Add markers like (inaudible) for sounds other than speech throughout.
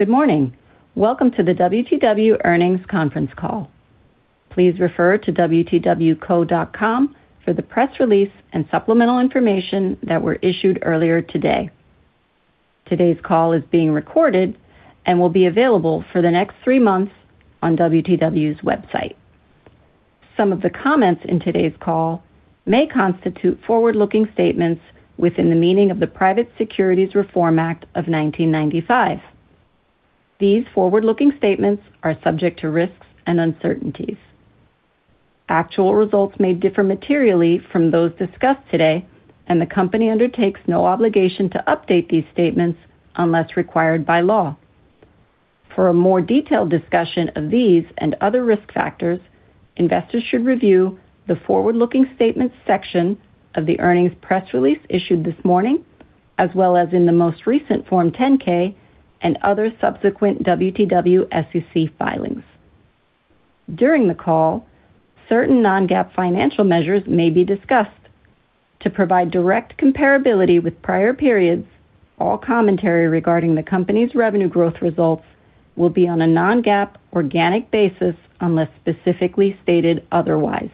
Good morning. Welcome to the WTW Earnings Conference Call. Please refer to wtwco.com for the press release and supplemental information that were issued earlier today. Today's call is being recorded and will be available for the next three months on WTW's website. Some of the comments in today's call may constitute forward-looking statements within the meaning of the Private Securities Reform Act of 1995. These forward-looking statements are subject to risks and uncertainties. Actual results may differ materially from those discussed today, and the company undertakes no obligation to update these statements unless required by law. For a more detailed discussion of these and other risk factors, investors should review the Forward-Looking Statements section of the earnings press release issued this morning, as well as in the most recent Form 10-K and other subsequent WTW SEC filings. During the call, certain non-GAAP financial measures may be discussed. To provide direct comparability with prior periods, all commentary regarding the company's revenue growth results will be on a non-GAAP organic basis, unless specifically stated otherwise.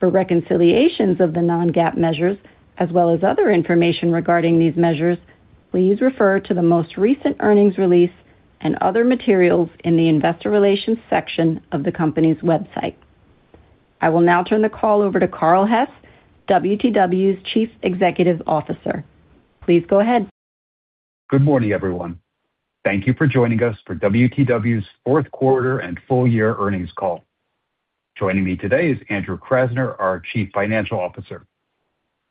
For reconciliations of the non-GAAP measures, as well as other information regarding these measures, please refer to the most recent earnings release and other materials in the Investor Relations section of the company's website. I will now turn the call over to Carl Hess, WTW's Chief Executive Officer. Please go ahead. Good morning, everyone. Thank you for joining us for WTW's Fourth Quarter and Full-Year Earnings Call. Joining me today is Andrew Krasner, our Chief Financial Officer,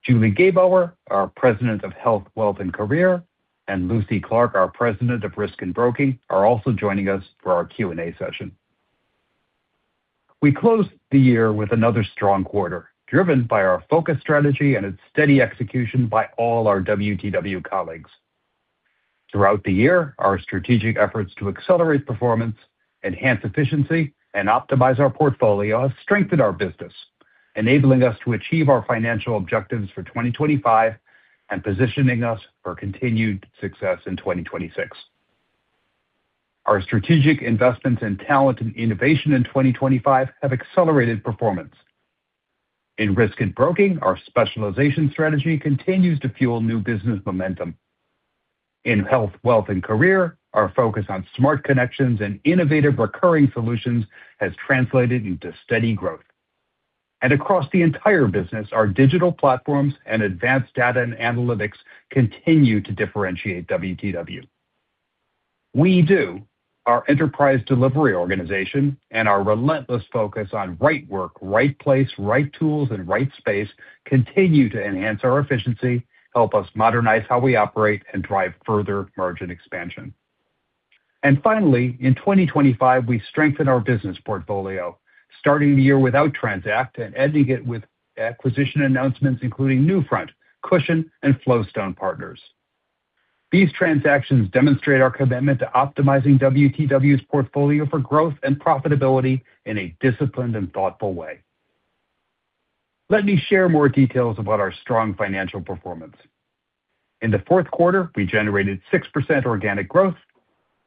Julie Gebauer, our President of Health, Wealth and Career, and Lucy Clarke, our President of Risk and Broking, are also joining us for our Q&A session. We closed the year with another strong quarter, driven by our focused strategy and its steady execution by all our WTW colleagues. Throughout the year, our strategic efforts to accelerate performance, enhance efficiency, and optimize our portfolio have strengthened our business, enabling us to achieve our financial objectives for 2025 and positioning us for continued success in 2026. Our strategic investments in talent and innovation in 2025 have accelerated performance. In Risk and Broking, our specialization strategy continues to fuel new business momentum. In Health, Wealth and Career, our focus on smart connections and innovative recurring solutions has translated into steady growth. Across the entire business, our digital platforms and advanced data and analytics continue to differentiate WTW. WEDO, our enterprise delivery organization, and our relentless focus on right work, right place, right tools, and right space continue to enhance our efficiency, help us modernize how we operate, and drive further margin expansion. Finally, in 2025, we strengthened our business portfolio, starting the year without TRANZACT and ending it with acquisition announcements, including Newfront, Cushon, and FlowStone Partners. These transactions demonstrate our commitment to optimizing WTW's portfolio for growth and profitability in a disciplined and thoughtful way. Let me share more details about our strong financial performance. In the fourth quarter, we generated 6% organic growth,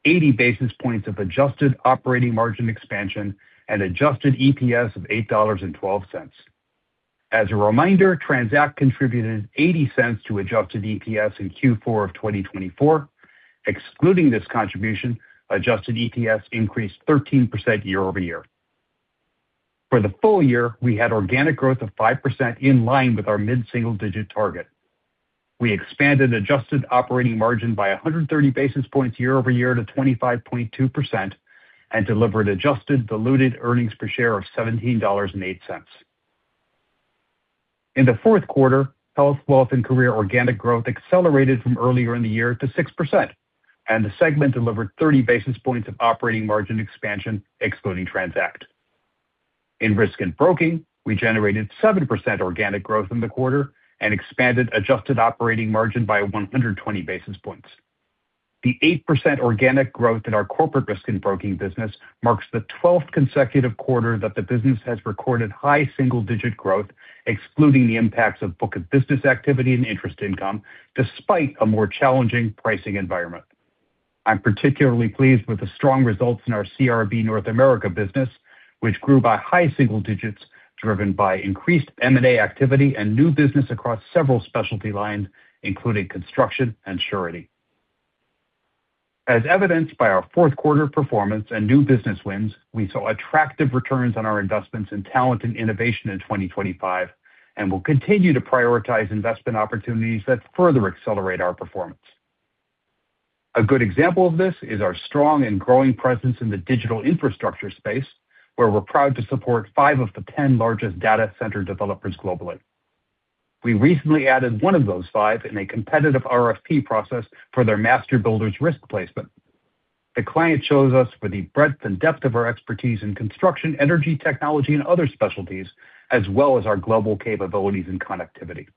80 basis points of adjusted operating margin expansion, and adjusted EPS of $8.12. As a reminder, TRANZACT contributed $0.80 to adjusted EPS in Q4 of 2024. Excluding this contribution, adjusted EPS increased 13% year-over-year. For the full-year, we had organic growth of 5%, in line with our mid-single digit target. We expanded adjusted operating margin by 130 basis points year-over-year to 25.2% and delivered adjusted diluted earnings per share of $17.08. In the fourth quarter, Health, Wealth and Career organic growth accelerated from earlier in the year to 6%, and the segment delivered 30 basis points of operating margin expansion, excluding TRANZACT. In Risk and Broking, we generated 7% organic growth in the quarter and expanded adjusted operating margin by 120 basis points. The 8% organic growth in our corporate Risk and Broking business marks the 12th consecutive quarter that the business has recorded high single-digit growth, excluding the impacts of book of business activity and interest income, despite a more challenging pricing environment. I'm particularly pleased with the strong results in our CRB North America business, which grew by high single digits, driven by increased M&A activity and new business across several specialty lines, including construction and surety. As evidenced by our fourth quarter performance and new business wins, we saw attractive returns on our investments in talent and innovation in 2025 and will continue to prioritize investment opportunities that further accelerate our performance. A good example of this is our strong and growing presence in the digital infrastructure space, where we're proud to support five of the ten largest data center developers globally. We recently added one of those five in a competitive RFP process for their Master Builders Risk placement. The client chose us for the breadth and depth of our expertise in construction, energy, technology, and other specialties, as well as our global capabilities and connectivity.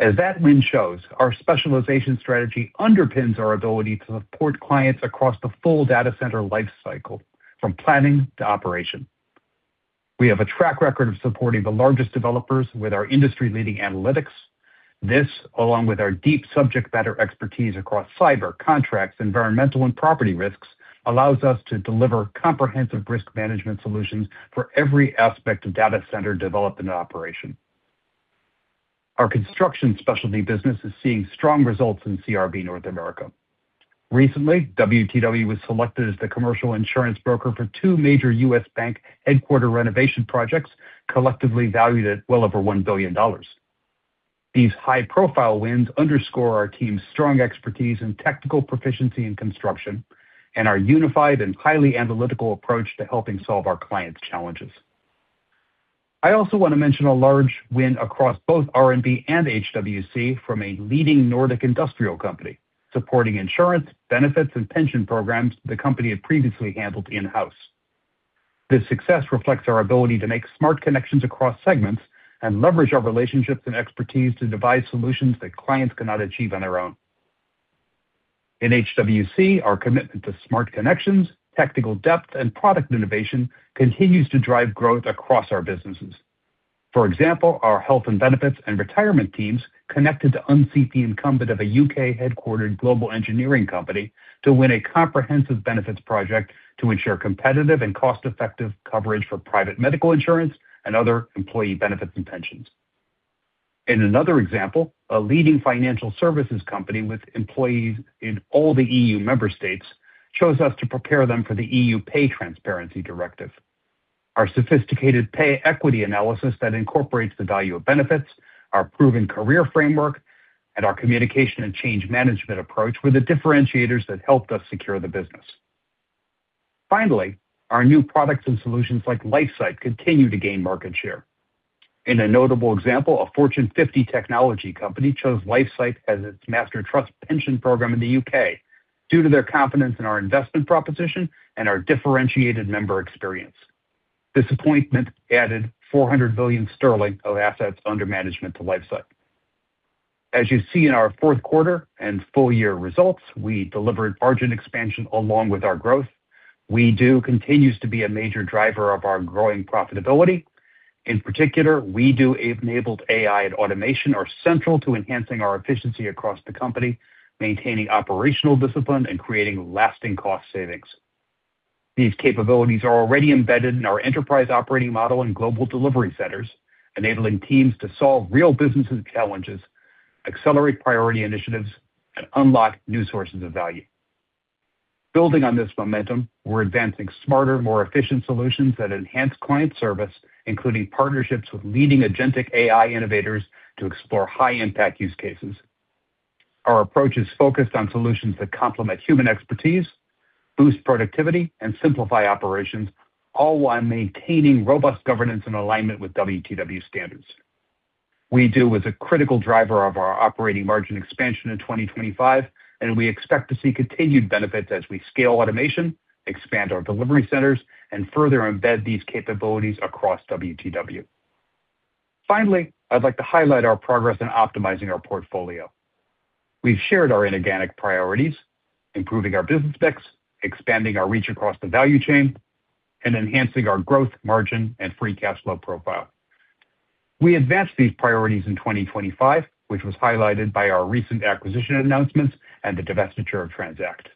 As that win shows, our specialization strategy underpins our ability to support clients across the full data center lifecycle, from planning to operation.... We have a track record of supporting the largest developers with our industry-leading analytics. This, along with our deep subject matter expertise across cyber, contracts, environmental and property risks, allows us to deliver comprehensive risk management solutions for every aspect of data center development and operation. Our construction specialty business is seeing strong results in CRB North America. Recently, WTW was selected as the commercial insurance broker for two major U.S. bank headquarters renovation projects, collectively valued at well over $1 billion. These high-profile wins underscore our team's strong expertise and technical proficiency in construction, and our unified and highly analytical approach to helping solve our clients' challenges. I also want to mention a large win across both R&B and HWC from a leading Nordic industrial company, supporting insurance, benefits, and pension programs the company had previously handled in-house. This success reflects our ability to make smart connections across segments and leverage our relationships and expertise to devise solutions that clients cannot achieve on their own. In HWC, our commitment to smart connections, technical depth, and product innovation continues to drive growth across our businesses. For example, our health and benefits and retirement teams connected to unseat the incumbent of a UK-headquartered global engineering company to win a comprehensive benefits project to ensure competitive and cost-effective coverage for private medical insurance and other employee benefits and pensions. In another example, a leading financial services company with employees in all the EU member states chose us to prepare them for the EU Pay Transparency Directive. Our sophisticated pay equity analysis that incorporates the value of benefits, our proven career framework, and our communication and change management approach were the differentiators that helped us secure the business. Finally, our new products and solutions, like LifeSight, continue to gain market share. In a notable example, a Fortune 50 technology company chose LifeSight as its master trust pension program in the UK due to their confidence in our investment proposition and our differentiated member experience. This appointment added 400 billion sterling of assets under management to LifeSight. As you see in our fourth quarter and full-year results, we delivered margin expansion along with our growth. WEDO continues to be a major driver of our growing profitability. In particular, WEDO-enabled AI and automation are central to enhancing our efficiency across the company, maintaining operational discipline, and creating lasting cost savings. These capabilities are already embedded in our enterprise operating model and global delivery centers, enabling teams to solve real businesses challenges, accelerate priority initiatives, and unlock new sources of value. Building on this momentum, we're advancing smarter, more efficient solutions that enhance client service, including partnerships with leading agentic AI innovators to explore high-impact use cases. Our approach is focused on solutions that complement human expertise, boost productivity, and simplify operations, all while maintaining robust governance and alignment with WTW standards. WEDO is a critical driver of our operating margin expansion in 2025, and we expect to see continued benefits as we scale automation, expand our delivery centers, and further embed these capabilities across WTW. Finally, I'd like to highlight our progress in optimizing our portfolio. We've shared our inorganic priorities, improving our business mix, expanding our reach across the value chain, and enhancing our growth margin and free cash flow profile. We advanced these priorities in 2025, which was highlighted by our recent acquisition announcements and the divestiture of TRANZACT.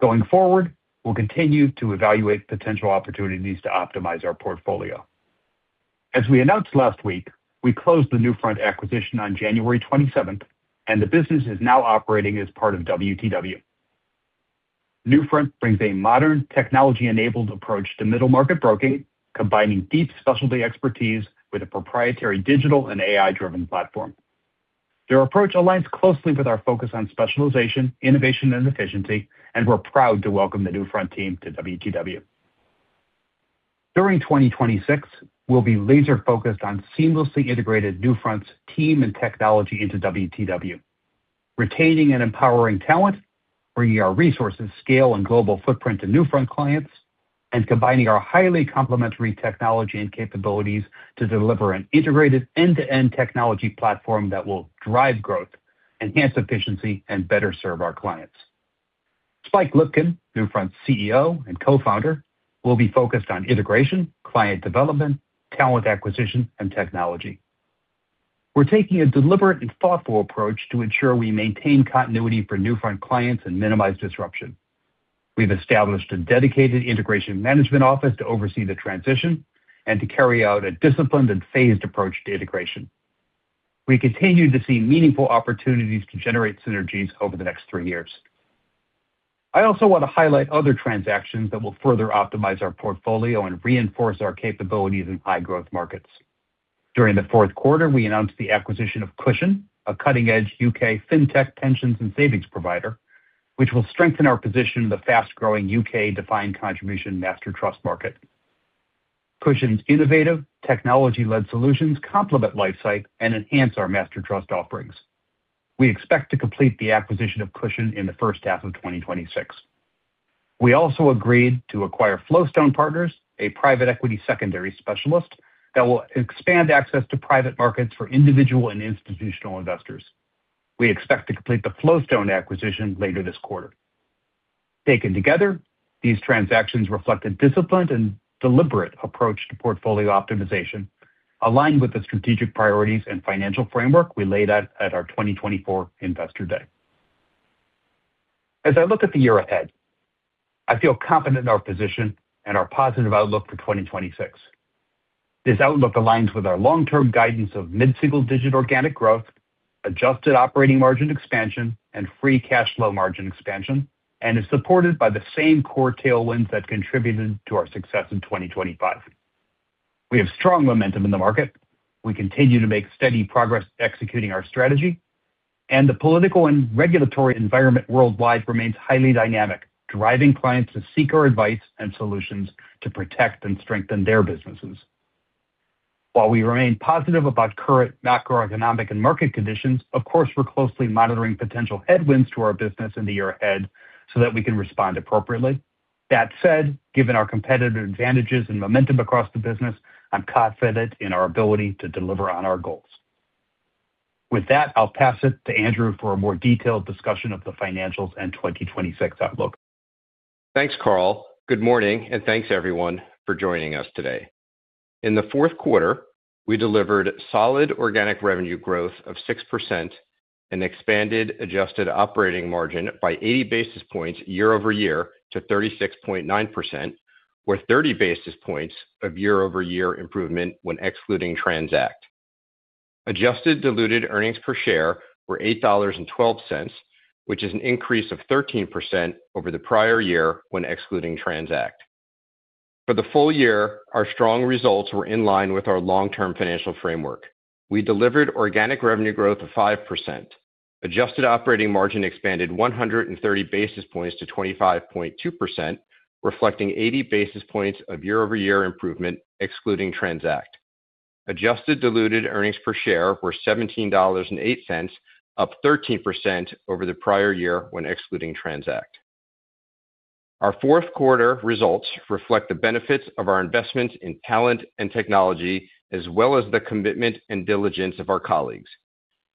Going forward, we'll continue to evaluate potential opportunities to optimize our portfolio. As we announced last week, we closed the Newfront acquisition on January 27th, and the business is now operating as part of WTW. Newfront brings a modern, technology-enabled approach to middle-market broking, combining deep specialty expertise with a proprietary digital and AI-driven platform. Their approach aligns closely with our focus on specialization, innovation, and efficiency, and we're proud to welcome the Newfront team to WTW. During 2026, we'll be laser-focused on seamlessly integrated Newfront's team and technology into WTW, retaining and empowering talent, bringing our resources, scale, and global footprint to Newfront clients, and combining our highly complementary technology and capabilities to deliver an integrated end-to-end technology platform that will drive growth, enhance efficiency, and better serve our clients. Spike Lipkin, Newfront's CEO and co-founder, will be focused on integration, client development, talent acquisition, and technology. We're taking a deliberate and thoughtful approach to ensure we maintain continuity for Newfront clients and minimize disruption. We've established a dedicated integration management office to oversee the transition and to carry out a disciplined and phased approach to integration. We continue to see meaningful opportunities to generate synergies over the next 3 years. I also want to highlight other transactions that will further optimize our portfolio and reinforce our capabilities in high-growth markets. During the fourth quarter, we announced the acquisition of Cushon, a cutting-edge UK fintech pensions and savings provider, which will strengthen our position in the fast-growing UK defined contribution master trust market. Cushon's innovative, technology-led solutions complement LifeSight and enhance our master trust offerings. We expect to complete the acquisition of Cushon in the first half of 2026. We also agreed to acquire FlowStone Partners, a private equity secondary specialist that will expand access to private markets for individual and institutional investors. We expect to complete the FlowStone acquisition later this quarter. Taken together, these transactions reflect a disciplined and deliberate approach to portfolio optimization, aligned with the strategic priorities and financial framework we laid out at our 2024 Investor Day. As I look at the year ahead, I feel confident in our position and our positive outlook for 2026. This outlook aligns with our long-term guidance of mid-single-digit organic growth, adjusted operating margin expansion, and free cash flow margin expansion, and is supported by the same core tailwinds that contributed to our success in 2025. We have strong momentum in the market. We continue to make steady progress executing our strategy, and the political and regulatory environment worldwide remains highly dynamic, driving clients to seek our advice and solutions to protect and strengthen their businesses. While we remain positive about current macroeconomic and market conditions, of course, we're closely monitoring potential headwinds to our business in the year ahead so that we can respond appropriately. That said, given our competitive advantages and momentum across the business, I'm confident in our ability to deliver on our goals. With that, I'll pass it to Andrew for a more detailed discussion of the financials and 2026 outlook. Thanks, Carl. Good morning, and thanks everyone for joining us today. In the fourth quarter, we delivered solid organic revenue growth of 6% and expanded adjusted operating margin by 80 basis points year-over-year to 36.9%, with 30 basis points of year-over-year improvement when excluding TRANZACT. Adjusted diluted earnings per share were $8.12, which is an increase of 13% over the prior year when excluding TRANZACT. For the full-year, our strong results were in line with our long-term financial framework. We delivered organic revenue growth of 5%. Adjusted operating margin expanded 130 basis points to 25.2%, reflecting 80 basis points of year-over-year improvement, excluding TRANZACT. Adjusted diluted earnings per share were $17.08, up 13% over the prior year when excluding TRANZACT. Our fourth quarter results reflect the benefits of our investment in talent and technology, as well as the commitment and diligence of our colleagues.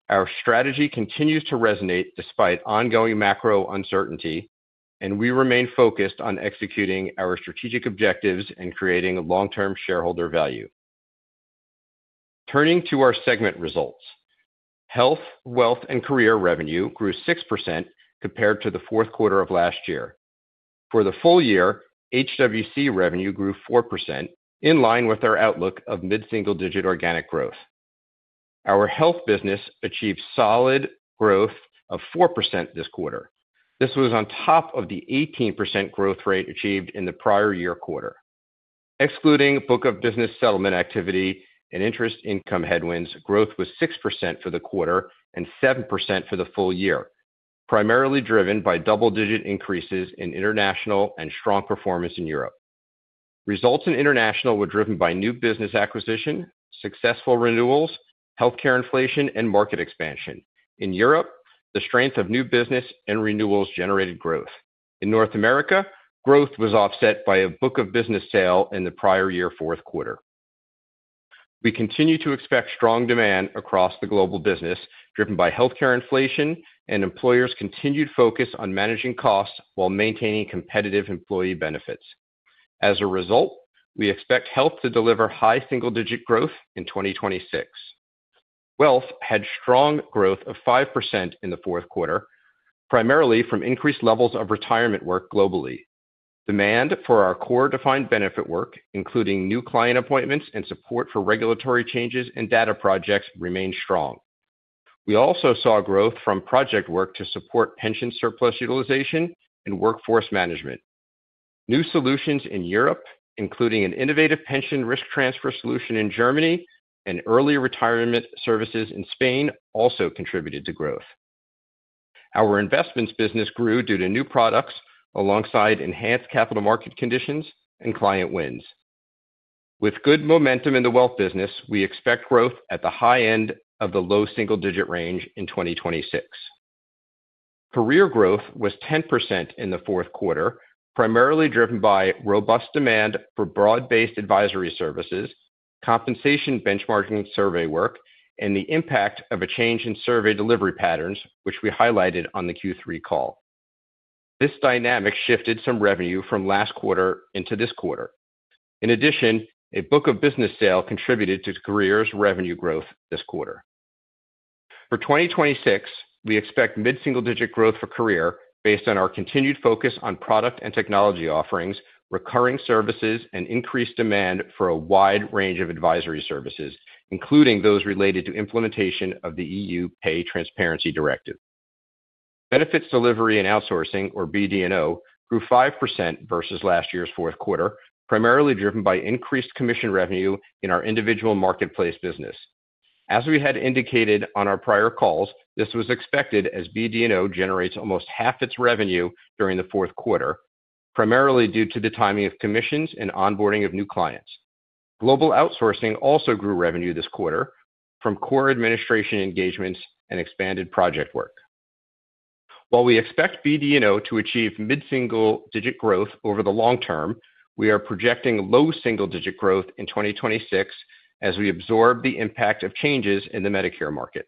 Our strategy continues to resonate despite ongoing macro uncertainty, and we remain focused on executing our strategic objectives and creating long-term shareholder value. Turning to our segment results. Health, Wealth and Career revenue grew 6% compared to the fourth quarter of last year. For the full-year, HWC revenue grew 4%, in line with our outlook of mid-single-digit organic growth. Our health business achieved solid growth of 4% this quarter. This was on top of the 18% growth rate achieved in the prior year quarter. Excluding book of business settlement activity and interest income headwinds, growth was 6% for the quarter and 7% for the full-year, primarily driven by double-digit increases in international and strong performance in Europe. Results in international were driven by new business acquisition, successful renewals, healthcare inflation, and market expansion. In Europe, the strength of new business and renewals generated growth. In North America, growth was offset by a book of business sale in the prior year fourth quarter. We continue to expect strong demand across the global business, driven by healthcare inflation and employers' continued focus on managing costs while maintaining competitive employee benefits. As a result, we expect Health to deliver high single-digit growth in 2026. Wealth had strong growth of 5% in the fourth quarter, primarily from increased levels of retirement work globally. Demand for our core defined benefit work, including new client appointments and support for regulatory changes and data projects, remained strong. We also saw growth from project work to support pension surplus utilization and workforce management. New solutions in Europe, including an innovative pension risk transfer solution in Germany and early retirement services in Spain, also contributed to growth. Our investments business grew due to new products alongside enhanced capital market conditions and client wins. With good momentum in the wealth business, we expect growth at the high end of the low single-digit range in 2026. Career growth was 10% in the fourth quarter, primarily driven by robust demand for broad-based advisory services, compensation benchmarking survey work, and the impact of a change in survey delivery patterns, which we highlighted on the Q3 call. This dynamic shifted some revenue from last quarter into this quarter. In addition, a book of business sale contributed to Careers' revenue growth this quarter. For 2026, we expect mid-single-digit growth for Career, based on our continued focus on product and technology offerings, recurring services, and increased demand for a wide range of advisory services, including those related to implementation of the EU Pay Transparency Directive. Benefits Delivery and Outsourcing, or BD&O, grew 5% versus last year's fourth quarter, primarily driven by increased commission revenue in our individual marketplace business. As we had indicated on our prior calls, this was expected as BD&O generates almost half its revenue during the fourth quarter, primarily due to the timing of commissions and onboarding of new clients. Global outsourcing also grew revenue this quarter from core administration engagements and expanded project work. While we expect BD&O to achieve mid-single-digit growth over the long term, we are projecting low single-digit growth in 2026 as we absorb the impact of changes in the Medicare market....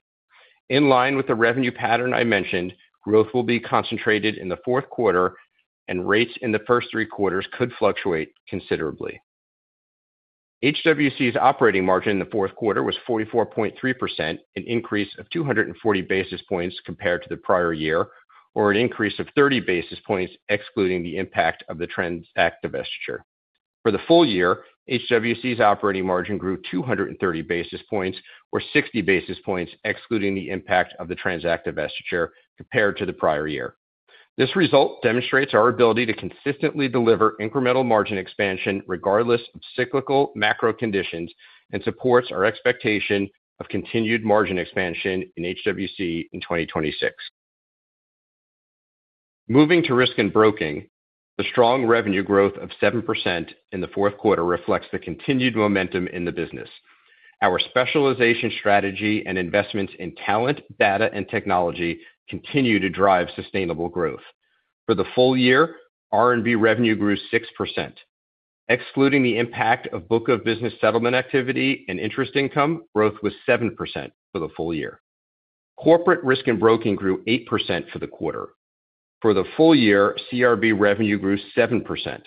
In line with the revenue pattern I mentioned, growth will be concentrated in the fourth quarter, and rates in the first three quarters could fluctuate considerably. HWC's operating margin in the fourth quarter was 44.3%, an increase of 240 basis points compared to the prior year, or an increase of 30 basis points, excluding the impact of the TRANZACT divestiture. For the full-year, HWC's operating margin grew 230 basis points, or 60 basis points, excluding the impact of the TRANZACT divestiture compared to the prior year. This result demonstrates our ability to consistently deliver incremental margin expansion, regardless of cyclical macro conditions, and supports our expectation of continued margin expansion in HWC in 2026. Moving to Risk and Broking, the strong revenue growth of 7% in the fourth quarter reflects the continued momentum in the business. Our specialization strategy and investments in talent, data, and technology continue to drive sustainable growth. For the full-year, R&B revenue grew 6%. Excluding the impact of book of business settlement activity and interest income, growth was 7% for the full-year. Corporate Risk and Broking grew 8% for the quarter. For the full-year, CRB revenue grew 7%.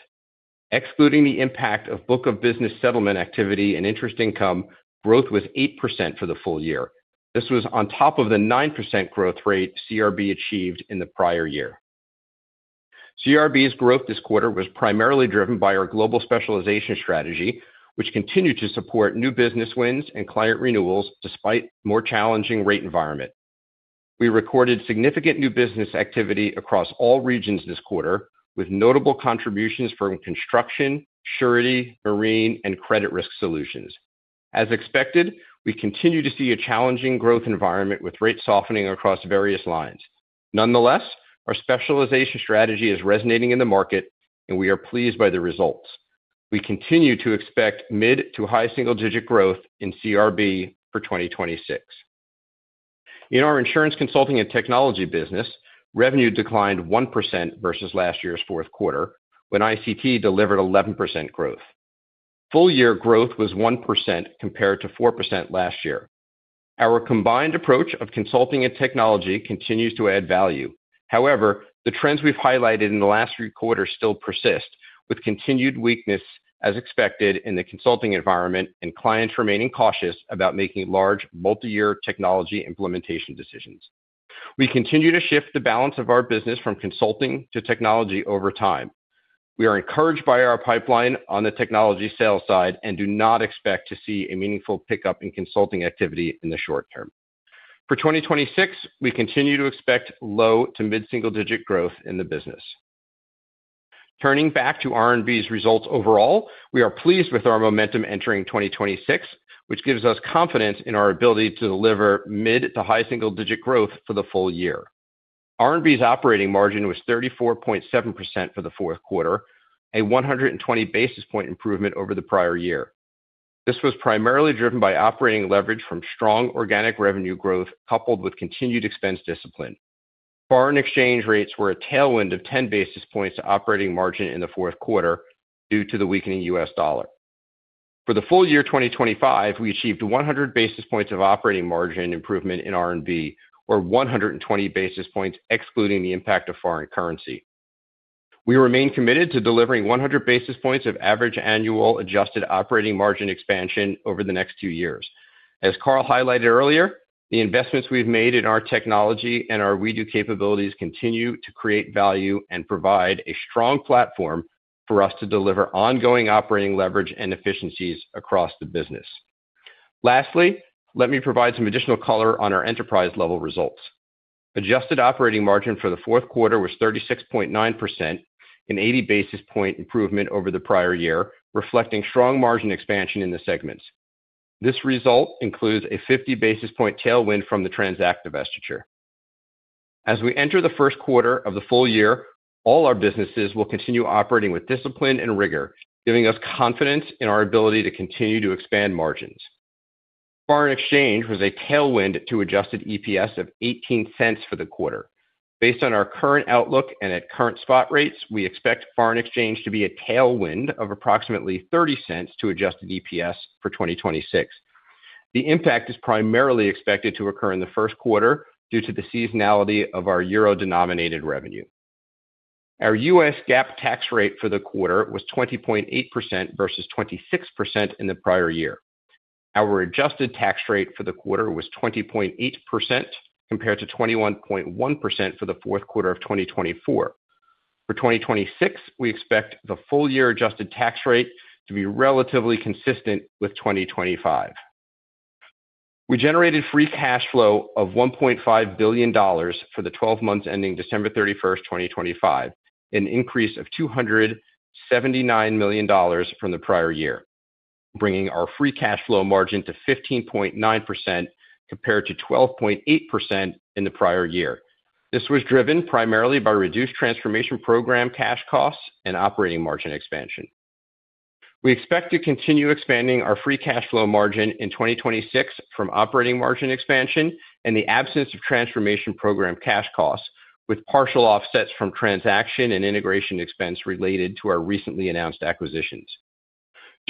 Excluding the impact of book of business settlement activity and interest income, growth was 8% for the full-year. This was on top of the 9% growth rate CRB achieved in the prior year. CRB's growth this quarter was primarily driven by our global specialization strategy, which continued to support new business wins and client renewals, despite more challenging rate environment. We recorded significant new business activity across all regions this quarter, with notable contributions from construction, surety, marine, and credit risk solutions. As expected, we continue to see a challenging growth environment with rates softening across various lines. Nonetheless, our specialization strategy is resonating in the market, and we are pleased by the results. We continue to expect mid to high single-digit growth in CRB for 2026. In our insurance consulting and technology business, revenue declined 1% versus last year's fourth quarter, when ICT delivered 11% growth. Full-year growth was 1% compared to 4% last year. Our combined approach of consulting and technology continues to add value. However, the trends we've highlighted in the last three quarters still persist, with continued weakness as expected in the consulting environment and clients remaining cautious about making large, multi-year technology implementation decisions. We continue to shift the balance of our business from consulting to technology over time. We are encouraged by our pipeline on the technology sales side and do not expect to see a meaningful pickup in consulting activity in the short term. For 2026, we continue to expect low- to mid-single-digit growth in the business. Turning back to R&B's results overall, we are pleased with our momentum entering 2026, which gives us confidence in our ability to deliver mid- to high single-digit growth for the full-year. R&B's operating margin was 34.7% for the fourth quarter, a 120 basis point improvement over the prior year. This was primarily driven by operating leverage from strong organic revenue growth, coupled with continued expense discipline. Foreign exchange rates were a tailwind of 10 basis points to operating margin in the fourth quarter due to the weakening U.S. dollar. For the full-year 2025, we achieved 100 basis points of operating margin improvement in R&B, or 120 basis points, excluding the impact of foreign currency. We remain committed to delivering 100 basis points of average annual adjusted operating margin expansion over the next 2 years. As Carl highlighted earlier, the investments we've made in our technology and our WEDO capabilities continue to create value and provide a strong platform for us to deliver ongoing operating leverage and efficiencies across the business. Lastly, let me provide some additional color on our enterprise-level results. Adjusted operating margin for the fourth quarter was 36.9%, an 80 basis point improvement over the prior year, reflecting strong margin expansion in the segments. This result includes a 50 basis point tailwind from the TRANZACT divestiture. As we enter the first quarter of the full-year, all our businesses will continue operating with discipline and rigor, giving us confidence in our ability to continue to expand margins. Foreign exchange was a tailwind to adjusted EPS of $0.18 for the quarter. Based on our current outlook and at current spot rates, we expect foreign exchange to be a tailwind of approximately $0.30 to adjusted EPS for 2026. The impact is primarily expected to occur in the first quarter due to the seasonality of our euro-denominated revenue. Our U.S. GAAP tax rate for the quarter was 20.8% versus 26% in the prior year. Our adjusted tax rate for the quarter was 20.8%, compared to 21.1% for the fourth quarter of 2024. For 2026, we expect the full-year adjusted tax rate to be relatively consistent with 2025. We generated free cash flow of $1.5 billion for the twelve months ending December 31, 2025, an increase of $279 million from the prior year, bringing our free cash flow margin to 15.9%, compared to 12.8% in the prior year. This was driven primarily by reduced transformation program cash costs and operating margin expansion. We expect to continue expanding our free cash flow margin in 2026 from operating margin expansion and the absence of transformation program cash costs, with partial offsets from transaction and integration expense related to our recently announced acquisitions.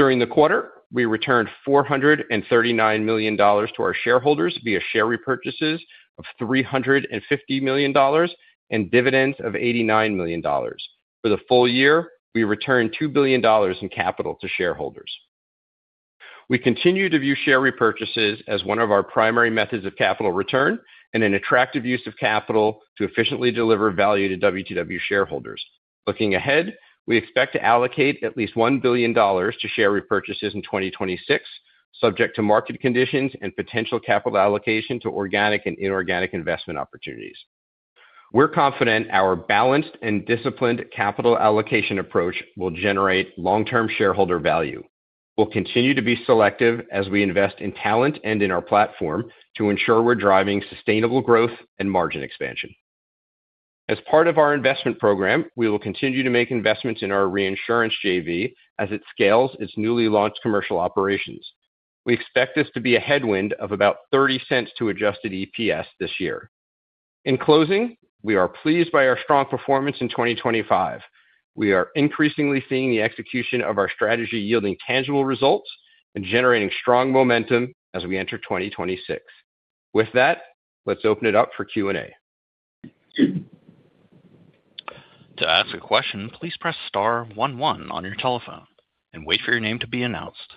During the quarter, we returned $439 million to our shareholders via share repurchases of $350 million and dividends of $89 million. For the full-year, we returned $2 billion in capital to shareholders. We continue to view share repurchases as one of our primary methods of capital return and an attractive use of capital to efficiently deliver value to WTW shareholders. Looking ahead, we expect to allocate at least $1 billion to share repurchases in 2026, subject to market conditions and potential capital allocation to organic and inorganic investment opportunities. We're confident our balanced and disciplined capital allocation approach will generate long-term shareholder value. We'll continue to be selective as we invest in talent and in our platform to ensure we're driving sustainable growth and margin expansion. As part of our investment program, we will continue to make investments in our reinsurance JV as it scales its newly launched commercial operations. We expect this to be a headwind of about $0.30 to adjusted EPS this year. In closing, we are pleased by our strong performance in 2025. We are increasingly seeing the execution of our strategy yielding tangible results and generating strong momentum as we enter 2026. With that, let's open it up for Q&A. To ask a question, please press star one one on your telephone and wait for your name to be announced.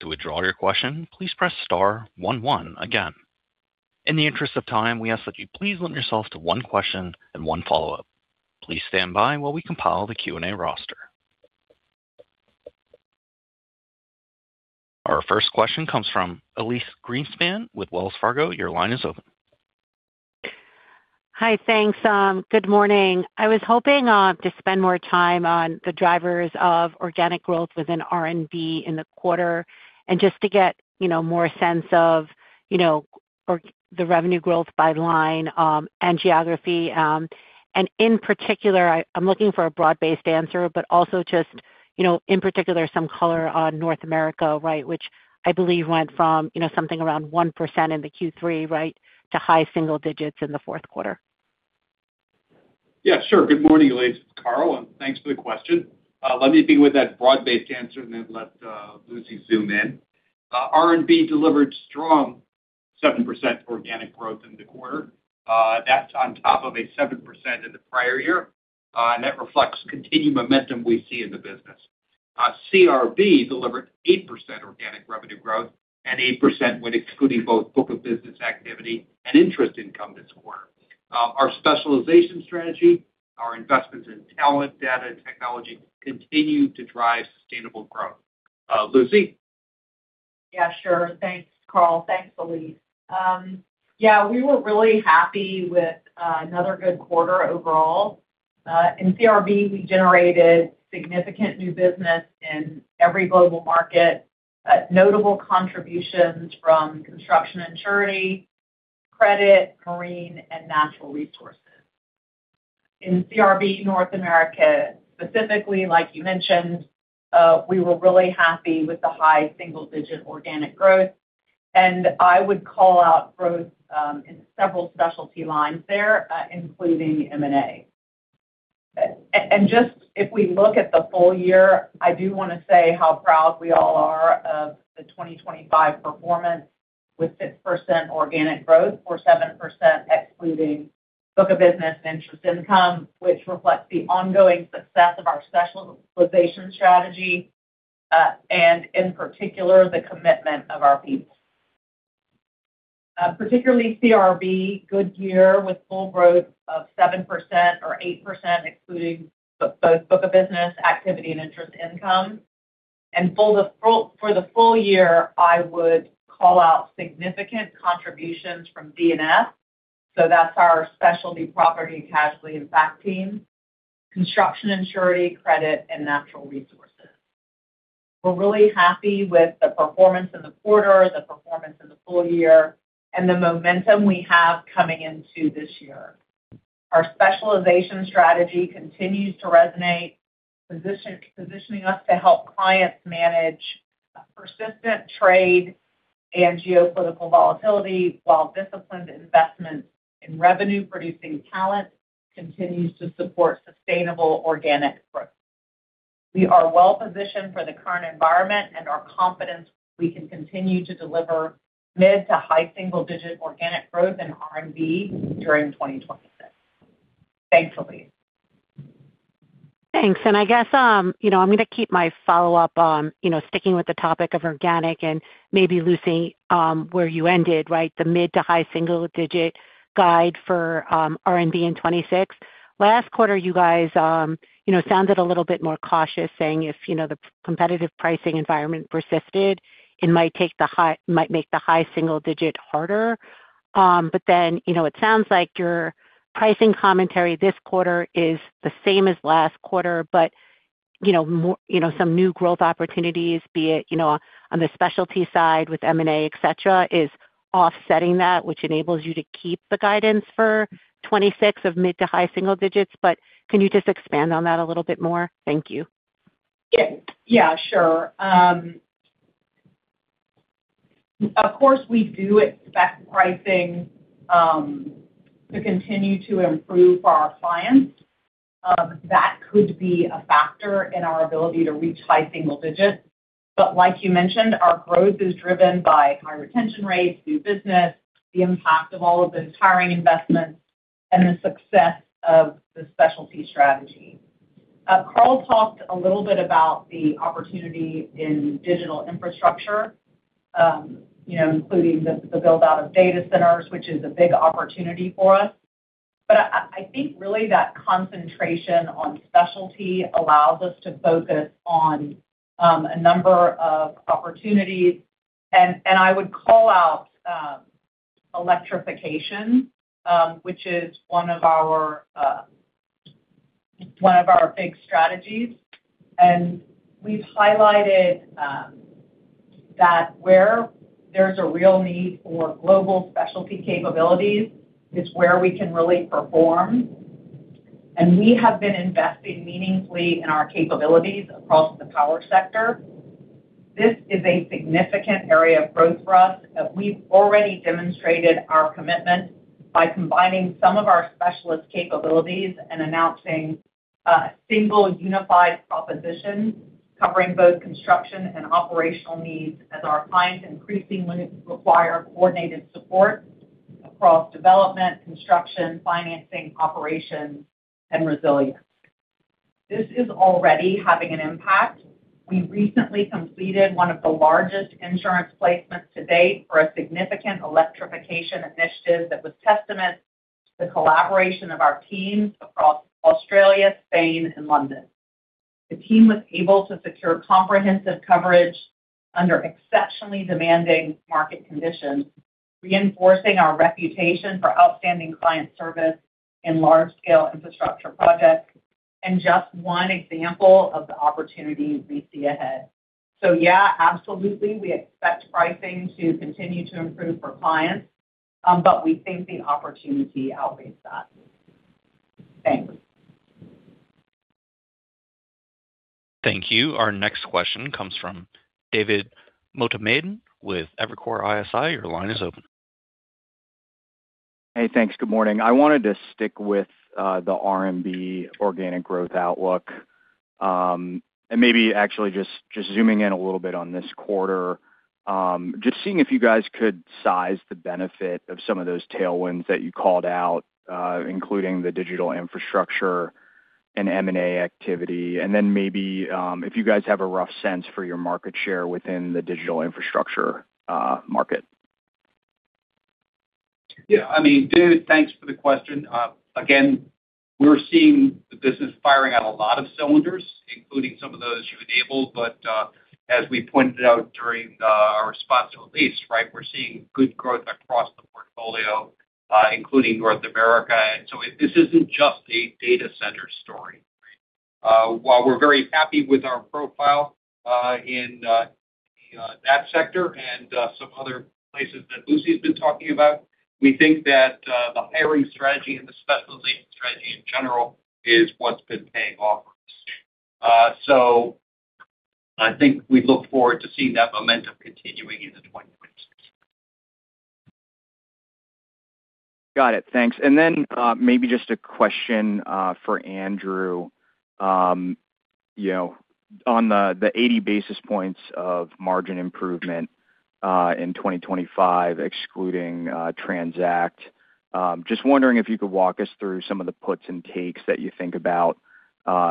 To withdraw your question, please press star one one again. In the interest of time, we ask that you please limit yourselves to one question and one follow-up. Please stand by while we compile the Q&A roster. Our first question comes from Elyse Greenspan with Wells Fargo. Your line is open. Hi, thanks. Good morning. I was hoping to spend more time on the drivers of organic growth within R&B in the quarter, and just to get, you know, more sense of, you know, or the revenue growth by line, and geography. And in particular, I'm looking for a broad-based answer, but also just, you know, in particular, some color on North America, right? Which I believe went from, you know, something around 1% in the Q3, right, to high single digits in the fourth quarter. Yeah, sure. Good morning, Elyse. It's Carl, and thanks for the question. Let me begin with that broad-based answer and then let Lucy zoom in. R&B delivered strong 7% organic growth in the quarter. That's on top of a 7% in the prior year, and that reflects continued momentum we see in the business. CRB delivered 8% organic revenue growth and 8% when excluding both book of business activity and interest income this quarter. Our specialization strategy, our investments in talent, data, and technology continue to drive sustainable growth. Lucy? Yeah, sure. Thanks, Carl. Thanks, Elyse. Yeah, we were really happy with another good quarter overall. In CRB, we generated significant new business in every global market, notable contributions from construction and surety, credit, marine, and natural resources. In CRB North America, specifically, like you mentioned, we were really happy with the high single-digit organic growth, and I would call out growth in several specialty lines there, including M&A. And just if we look at the full-year, I do want to say how proud we all are of the 2025 performance, with 6% organic growth, or 7% excluding book of business and interest income, which reflects the ongoing success of our specialization strategy, and in particular, the commitment of our people. Particularly CRB, good year with full growth of 7% or 8%, excluding both book of business activity and interest income. For the full-year, I would call out significant contributions from D&F. So that's our specialty property, casualty, and Fac team, construction and surety, credit and natural resources. We're really happy with the performance in the quarter, the performance in the full-year, and the momentum we have coming into this year. Our specialization strategy continues to resonate, positioning us to help clients manage persistent trade and geopolitical volatility, while disciplined investments in revenue-producing talent continues to support sustainable organic growth. We are well positioned for the current environment and are confident we can continue to deliver mid- to high-single-digit organic growth in R&B during 2026. Thanks, Elise. Thanks, and I guess, you know, I'm going to keep my follow-up, you know, sticking with the topic of organic and maybe, Lucy, where you ended, right? The mid- to high single-digit guide for R&B in 2026. Last quarter, you guys, you know, sounded a little bit more cautious, saying if, you know, the competitive pricing environment persisted, it might make the high single-digit harder. But then, you know, it sounds like your pricing commentary this quarter is the same as last quarter, but, you know, more, you know, some new growth opportunities, be it, you know, on the specialty side with M&A, et cetera, is offsetting that, which enables you to keep the guidance for 2026 of mid- to high single-digits. But can you just expand on that a little bit more? Thank you. Yeah. Yeah, sure. Of course, we do expect pricing to continue to improve for our clients. That could be a factor in our ability to reach high single digits. But like you mentioned, our growth is driven by high retention rates, new business, the impact of all of the hiring investments, and the success of the specialty strategy. Carl talked a little bit about the opportunity in digital infrastructure, you know, including the build-out of data centers, which is a big opportunity for us. But I think really that concentration on specialty allows us to focus on a number of opportunities. And I would call out electrification, which is one of our big strategies. And we've highlighted that where there's a real need for global specialty capabilities, is where we can really perform. We have been investing meaningfully in our capabilities across the power sector. This is a significant area of growth for us, that we've already demonstrated our commitment by combining some of our specialist capabilities and announcing a single unified proposition, covering both construction and operational needs, as our clients increasingly require coordinated support across development, construction, financing, operations, and resilience. This is already having an impact. We recently completed one of the largest insurance placements to date for a significant electrification initiative that was testament to the collaboration of our teams across Australia, Spain, and London. The team was able to secure comprehensive coverage under exceptionally demanding market conditions, reinforcing our reputation for outstanding client service in large scale infrastructure projects, and just one example of the opportunities we see ahead. Yeah, absolutely, we expect pricing to continue to improve for clients, but we think the opportunity outweighs that. Thanks. Thank you. Our next question comes from David Motamedi with Evercore ISI. Your line is open. Hey, thanks. Good morning. I wanted to stick with the R&B organic growth outlook. And maybe actually just, just zooming in a little bit on this quarter. Just seeing if you guys could size the benefit of some of those tailwinds that you called out, including the digital infrastructure and M&A activity, and then maybe, if you guys have a rough sense for your market share within the digital infrastructure market. Yeah, I mean, David, thanks for the question. Again, we're seeing the business firing on a lot of cylinders, including some of those you enabled. But, as we pointed out during, our response to Elise, right, we're seeing good growth across the portfolio, including North America. And so this isn't just a data center story. While we're very happy with our profile, in that sector and, some other places that Lucy has been talking about, we think that, the hiring strategy and the specialization strategy in general is what's been paying off. So I think we look forward to seeing that momentum continuing into 2026. Got it. Thanks. And then, maybe just a question for Andrew. You know, on the eighty basis points of margin improvement in 2025, excluding TRANZACT. Just wondering if you could walk us through some of the puts and takes that you think about,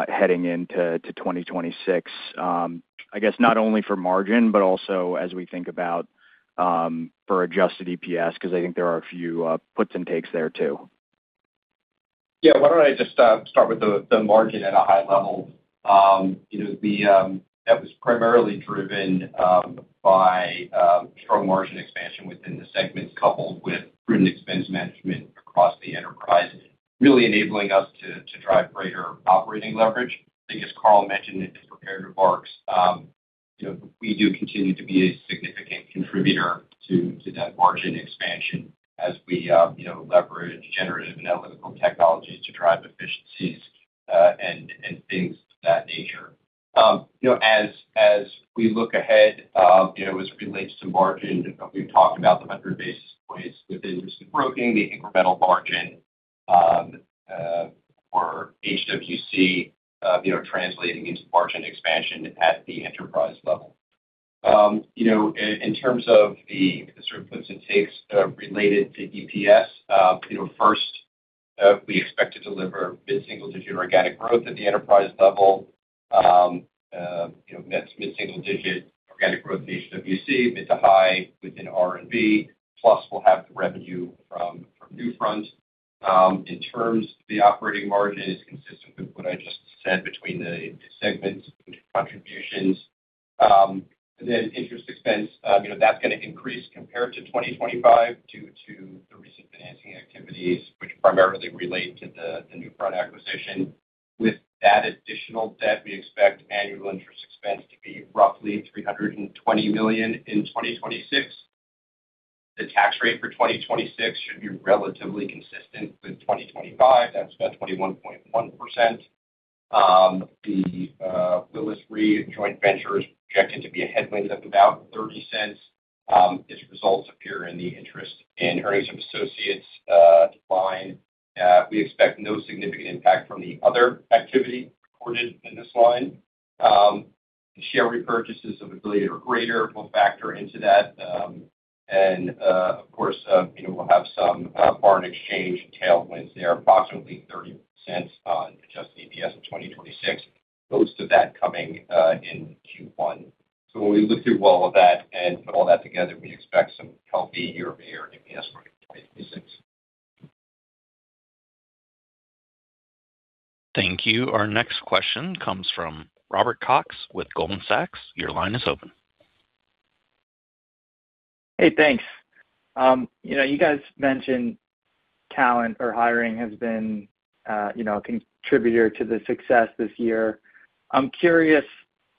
heading into 2026. I guess not only for margin, but also as we think about for adjusted EPS, because I think there are a few puts and takes there too. Yeah, why don't I just start with the margin at a high level? You know, that was primarily driven by strong margin expansion within the segments, coupled with prudent expense management across the enterprise, really enabling us to drive greater operating leverage. I think as Carl mentioned in his prepared remarks, you know, we do continue to be a significant contributor to that margin expansion as we, you know, leverage generative and analytical technologies to drive efficiencies, and things of that nature. You know, as we look ahead, you know, as it relates to margin, we've talked about the 100 basis points within risk and broking, the incremental margin for HWC, you know, translating into margin expansion at the enterprise level. You know, in terms of the sort of puts and takes related to EPS, you know, first, we expect to deliver mid-single digit organic growth at the enterprise level. You know, that's mid-single digit organic growth at HWC, mid to high within R&B, plus we'll have the revenue from Newfront. In terms of the operating margin is consistent with what I just said between the segments contributions. The interest expense, you know, that's gonna increase compared to 2025 due to the recent financing activities, which primarily relate to the Newfront acquisition. With that additional debt, we expect annual interest expense to be roughly $320 million in 2026. The tax rate for 2026 should be relatively consistent with 2025. That's about 21.1%. The Willis Re joint venture is projected to be a headwind of about $0.30. Its results appear in the interest and earnings of associates decline. We expect no significant impact from the other activity recorded in this line. Share repurchases of a billion or greater will factor into that. Of course, you know, we'll have some foreign exchange tailwinds there, approximately $0.30 on adjusted EPS in 2026. Most of that coming in Q1. So when we look through all of that and put all that together, we expect some healthy year-over-year EPS growth in 2026. Thank you. Our next question comes from Robert Cox with Goldman Sachs. Your line is open. Hey, thanks. You know, you guys mentioned talent or hiring has been, you know, a contributor to the success this year. I'm curious,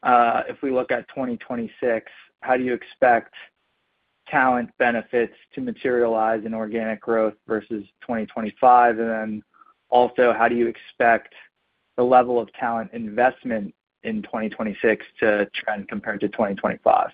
if we look at 2026, how do you expect talent benefits to materialize in organic growth versus 2025? And then also, how do you expect the level of talent investment in 2026 to trend compared to 2025?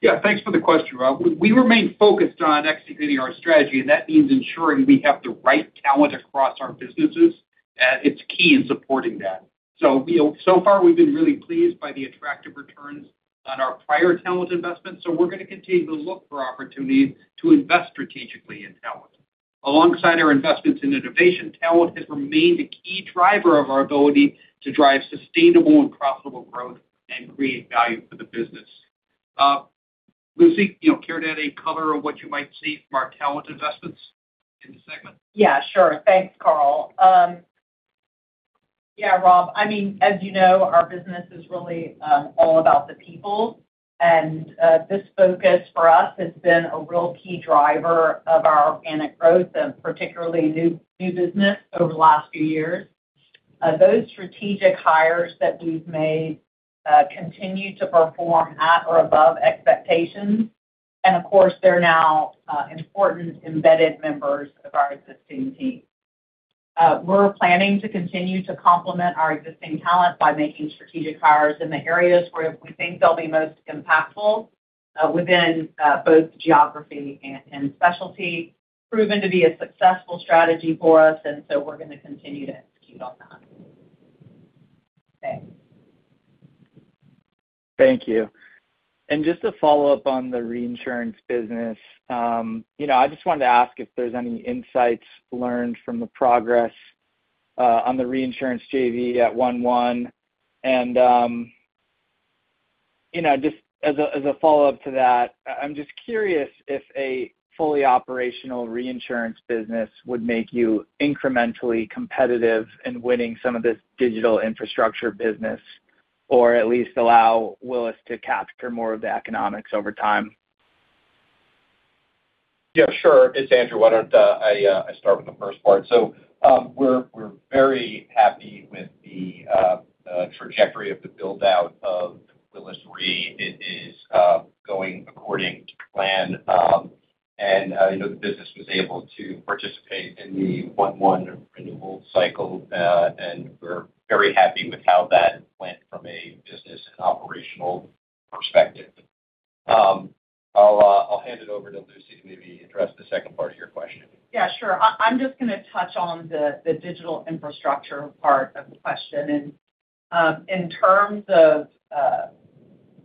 Yeah, thanks for the question, Rob. We remain focused on executing our strategy, and that means ensuring we have the right talent across our businesses. It's key in supporting that. So, you know, so far, we've been really pleased by the attractive returns on our prior talent investments, so we're gonna continue to look for opportunities to invest strategically in talent. Alongside our investments in innovation, talent has remained a key driver of our ability to drive sustainable and profitable growth and create value for the business. Lucy, you know, care to add any color on what you might see from our talent investments in the segment? Yeah, sure. Thanks, Carl. Yeah, Rob, I mean, as you know, our business is really all about the people, and this focus for us has been a real key driver of our organic growth, and particularly new business over the last few years. Those strategic hires that we've made continue to perform at or above expectations, and of course, they're now important embedded members of our existing team. We're planning to continue to complement our existing talent by making strategic hires in the areas where we think they'll be most impactful, within both geography and specialty. Proven to be a successful strategy for us, and so we're gonna continue to execute on that. Thanks. Thank you. Just to follow up on the reinsurance business, you know, I just wanted to ask if there's any insights learned from the progress on the reinsurance JV at 1/1. And, you know, just as a, as a follow-up to that, I'm just curious if a fully operational reinsurance business would make you incrementally competitive in winning some of this digital infrastructure business, or at least allow Willis to capture more of the economics over time? Yeah, sure. It's Andrew. Why don't I start with the first part? So, we're very happy with the trajectory of the build-out of the Willis Re. It is going according to plan. And you know, the business was able to participate in the one renewal cycle, and we're very happy with how that went from a business and operational perspective. I'll hand it over to Lucy to maybe address the second part of your question. Yeah, sure. I'm just gonna touch on the digital infrastructure part of the question. And, in terms of,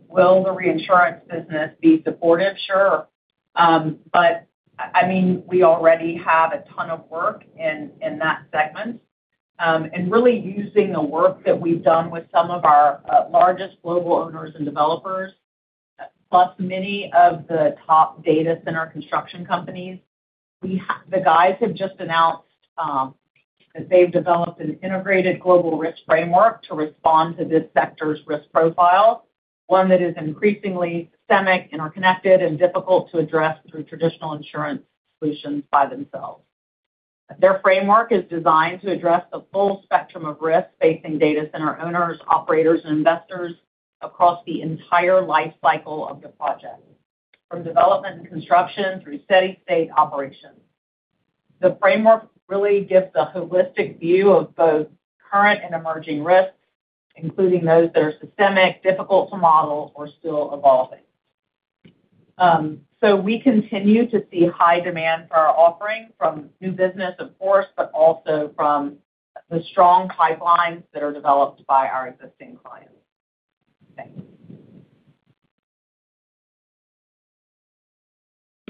will the reinsurance business be supportive? Sure. But, I mean, we already have a ton of work in that segment. And really using the work that we've done with some of our largest global owners and developers, plus many of the top data center construction companies, we the guys have just announced that they've developed an integrated global risk framework to respond to this sector's risk profile, one that is increasingly systemic and interconnected and difficult to address through traditional insurance solutions by themselves. Their framework is designed to address the full spectrum of risks facing data center owners, operators, and investors across the entire life cycle of the project, from development and construction through steady state operations. The framework really gives a holistic view of both current and emerging risks, including those that are systemic, difficult to model, or still evolving. So we continue to see high demand for our offerings from new business, of course, but also from the strong pipelines that are developed by our existing clients. Thank you.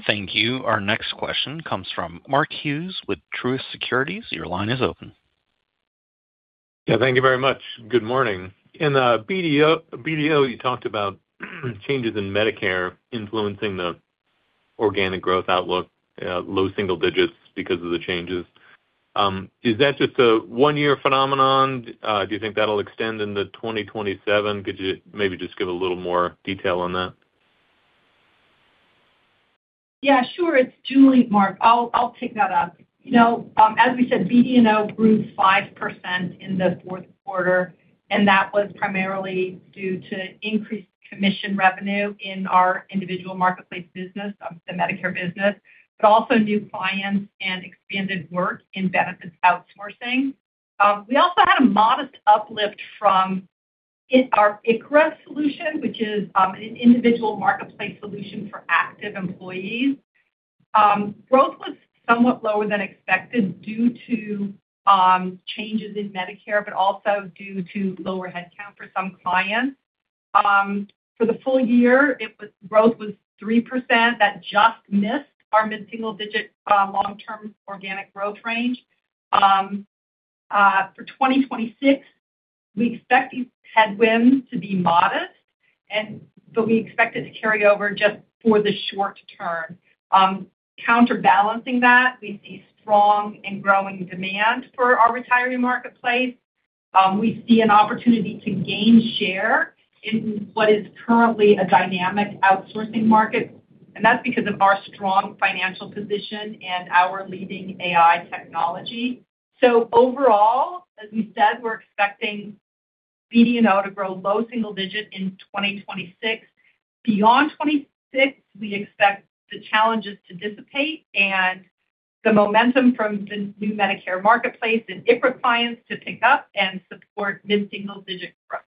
Thank you. Our next question comes from Mark Hughes with Truist Securities. Your line is open. Yeah, thank you very much. Good morning. In the BD&O, you talked about changes in Medicare influencing the organic growth outlook, low single digits because of the changes. Is that just a one-year phenomenon? Do you think that'll extend into 2027? Could you maybe just give a little more detail on that?... Yeah, sure. It's Julie, Mark. I'll pick that up. You know, as we said, BD&O grew 5% in the fourth quarter, and that was primarily due to increased commission revenue in our individual marketplace business, the Medicare business, but also new clients and expanded work in benefits outsourcing. We also had a modest uplift from our ICHRA solution, which is an individual marketplace solution for active employees. Growth was somewhat lower than expected due to changes in Medicare, but also due to lower headcount for some clients. For the full-year, growth was 3%. That just missed our mid-single digit long-term organic growth range. For 2026, we expect these headwinds to be modest, but we expect it to carry over just for the short term. Counterbalancing that, we see strong and growing demand for our retiree marketplace. We see an opportunity to gain share in what is currently a dynamic outsourcing market, and that's because of our strong financial position and our leading AI technology. So overall, as we said, we're expecting BD&O to grow low single-digit in 2026. Beyond 2026, we expect the challenges to dissipate and the momentum from the new Medicare marketplace and ICHRA clients to pick up and support mid-single-digit growth.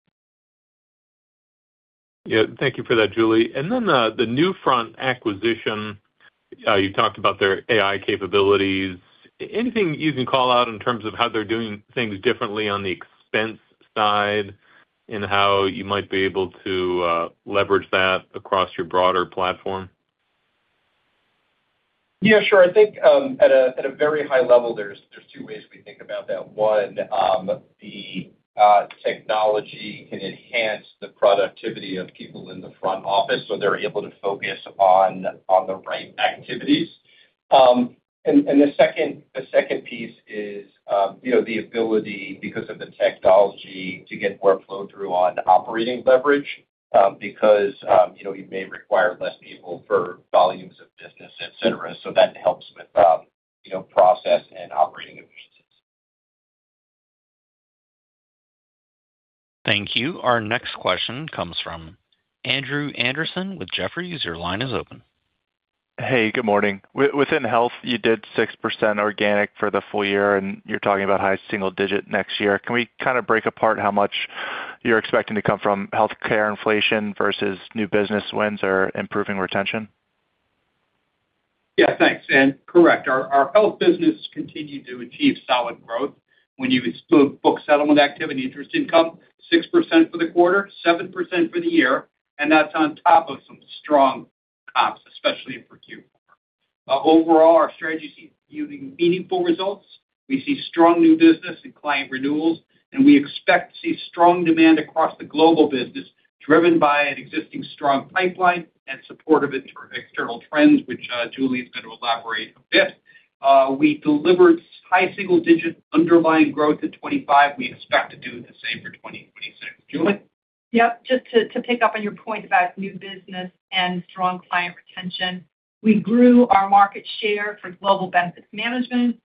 Yeah, thank you for that, Julie. And then, the Newfront acquisition, you talked about their AI capabilities. Anything you can call out in terms of how they're doing things differently on the expense side and how you might be able to leverage that across your broader platform? Yeah, sure. I think, at a very high level, there's two ways we think about that. One, the technology can enhance the productivity of people in the front office, so they're able to focus on the right activities. And the second piece is, you know, the ability, because of the technology, to get workflow through on operating leverage, because you know, you may require less people for volumes of business, et cetera. So that helps with you know, process and operating efficiencies. Thank you. Our next question comes from Andrew Andersen with Jefferies. Your line is open. Hey, good morning. Within health, you did 6% organic for the full-year, and you're talking about high single digit next year. Can we kind of break apart how much you're expecting to come from healthcare inflation versus new business wins or improving retention? Yeah, thanks, and correct. Our health business continued to achieve solid growth. When you exclude book settlement activity, interest income, 6% for the quarter, 7% for the year, and that's on top of some strong comps, especially for Q4. Overall, our strategy is yielding meaningful results. We see strong new business and client renewals, and we expect to see strong demand across the global business, driven by an existing strong pipeline and supportive inter-external trends, which Julie is going to elaborate a bit. We delivered high single digit underlying growth in 2025. We expect to do the same for 2026. Julie? Yep. Just to pick up on your point about new business and strong client retention, we grew our market share for Global Benefits Management.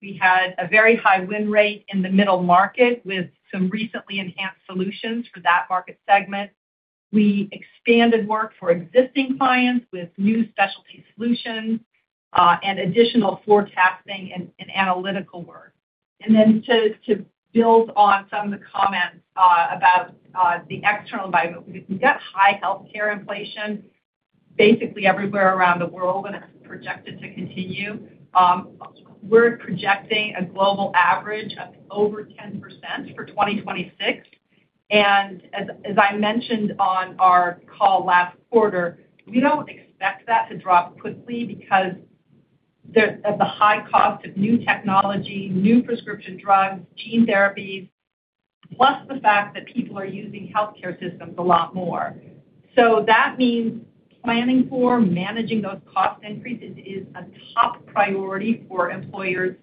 We had a very high win rate in the middle market, with some recently enhanced solutions for that market segment. We expanded work for existing clients with new specialty solutions, and additional forecasting and analytical work. And then to build on some of the comments about the external environment, we've got high healthcare inflation basically everywhere around the world, and it's projected to continue. We're projecting a global average of over 10% for 2026, and as I mentioned on our call last quarter, we don't expect that to drop quickly because of the high cost of new technology, new prescription drugs, gene therapies, plus the fact that people are using healthcare systems a lot more. So that means planning for, managing those cost increases is a top priority for employers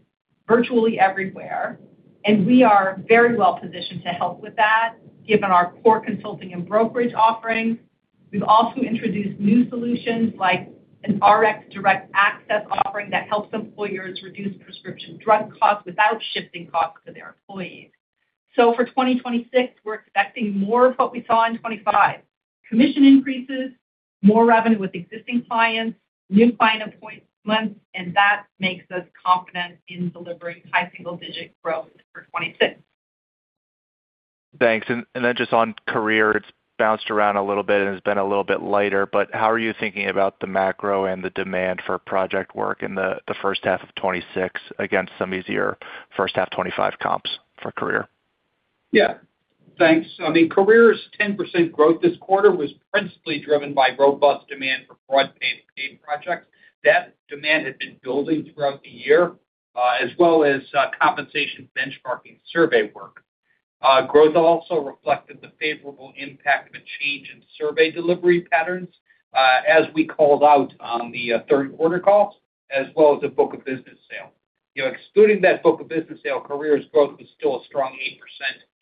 virtually everywhere, and we are very well positioned to help with that, given our core consulting and brokerage offerings. We've also introduced new solutions, like an Rx Direct access offering that helps employers reduce prescription drug costs without shifting costs to their employees. So for 2026, we're expecting more of what we saw in 2025: commission increases, more revenue with existing clients, new client appointments, and that makes us confident in delivering high single-digit growth for 2026. Thanks. And then just on Career, it's bounced around a little bit and has been a little bit lighter, but how are you thinking about the macro and the demand for project work in the first half of 2026 against some easier first half 2025 comps for Career? Yeah. Thanks. I mean, Career’s 10% growth this quarter was principally driven by robust demand for broad-based pay projects. That demand had been building throughout the year, as well as compensation benchmarking survey work. Growth also reflected the favorable impact of a change in survey delivery patterns, as we called out on the third quarter call, as well as the book of business mix. You know, excluding that book of business sale, Career’s growth was still a strong 8%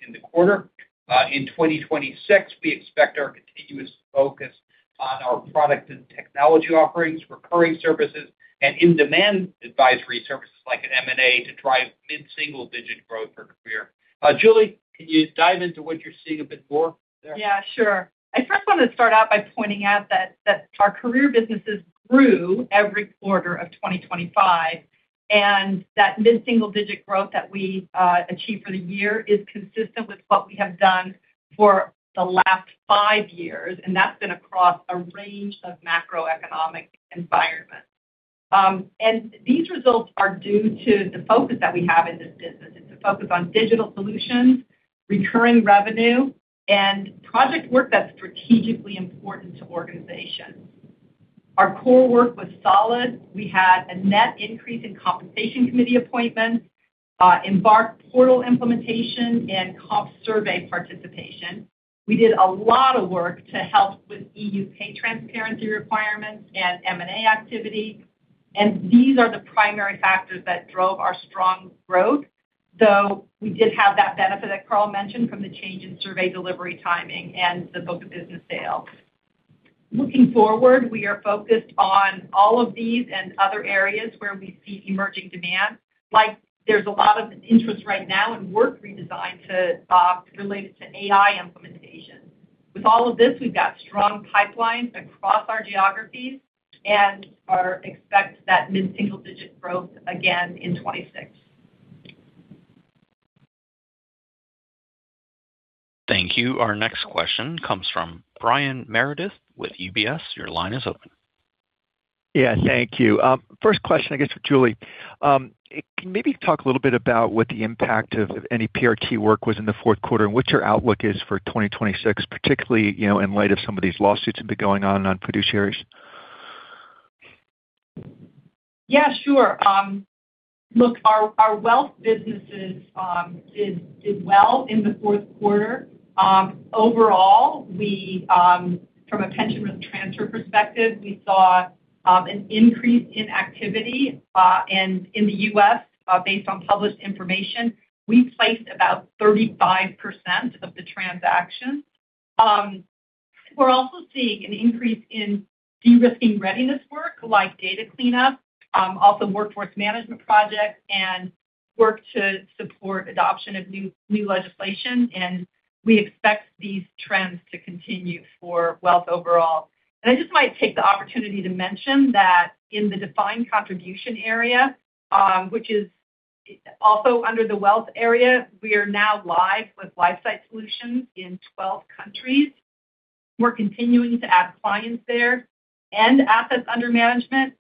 in the quarter. In 2026, we expect our continuous focus on our product and technology offerings, recurring services, and in-demand advisory services like M&A to drive mid-single-digit growth for Career. Julie, can you dive into what you’re seeing a bit more there? Yeah, sure. I first want to start out by pointing out that our Career businesses grew every quarter of 2025, and that mid-single digit growth that we achieved for the year is consistent with what we have done for the last 5 years, and that's been across a range of macroeconomic environments. And these results are due to the focus that we have in this business. It's a focus on digital solutions, recurring revenue, and project work that's strategically important to organizations. Our core work was solid. We had a net increase in compensation committee appointments, Embark portal implementation and comp survey participation. We did a lot of work to help with EU pay transparency requirements and M&A activity, and these are the primary factors that drove our strong growth, though we did have that benefit, as Carl mentioned, from the change in survey delivery timing and the book of business sale. Looking forward, we are focused on all of these and other areas where we see emerging demand. Like, there's a lot of interest right now in work redesign to related to AI implementation. With all of this, we've got strong pipelines across our geographies and are expecting that mid-single digit growth again in 2026. Thank you. Our next question comes from Brian Meredith with UBS. Your line is open. Yeah, thank you. First question, I guess, for Julie. Can maybe talk a little bit about what the impact of any PRT work was in the fourth quarter and what your outlook is for 2026, particularly, you know, in light of some of these lawsuits have been going on on fiduciaries? Yeah, sure. Look, our Wealth businesses did well in the fourth quarter. Overall, from a pension risk transfer perspective, we saw an increase in activity, and in the U.S., based on published information, we placed about 35% of the transactions. We're also seeing an increase in de-risking readiness work, like data cleanup, also workforce management projects and work to support adoption of new legislation, and we expect these trends to continue for wealth overall. I just might take the opportunity to mention that in the defined contribution area, which is also under the Wealth area, we are now live with LifeSight Solutions in 12 countries. We're continuing to add clients there and assets under management.